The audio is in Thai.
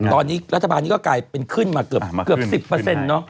ตอนนี้รัฐบาลนี้ก็กลายเป็นขึ้นมาเกือบ๑๐เนอะ